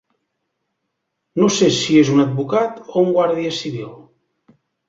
No sé si és un advocat o un guàrdia civil.